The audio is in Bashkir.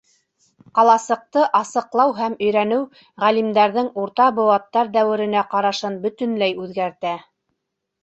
Ҡаласыҡты асыҡлау һәм өйрәнеү ғалимдарҙың урта быуаттар дәүеренә ҡарашын бөтөнләй үҙгәртә.